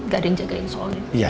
gak ada yang jagain soalnya